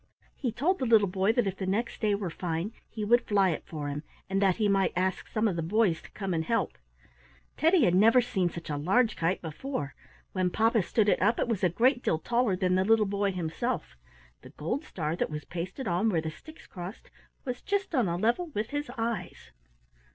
He told the little boy that if the next day were fine he would fly it for him, and that he might ask some of the boys to come and help. Teddy had never seen such a large kite before. When papa stood it up it was a great deal taller than the little boy himself. The gold star that was pasted on where the sticks crossed was just on a level with his eyes.